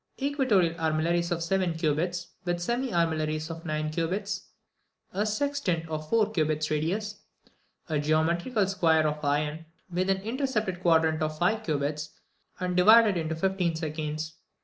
18. Equatorial armillaries of seven cubits, with semi armillaries of nine cubits. 19. A sextant of four cubits radius. 20. A geometrical square of iron, with an intercepted quadrant of five cubits, and divided into fifteen seconds.